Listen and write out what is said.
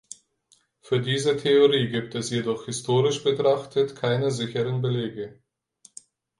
Für diese Theorie gibt es jedoch, historisch betrachtet, keine sicheren Belege.